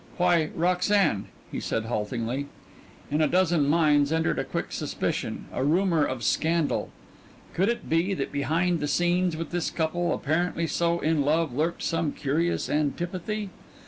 "Why Roxanne " he said haltingly. Into a dozen minds entered a quick suspicion, a rumor of scandal. Could it be that behind the scenes with this couple, apparently so in love, lurked some curious antipathy?